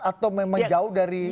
atau memang jauh dari